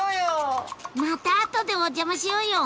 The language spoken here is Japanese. またあとでお邪魔しようよ！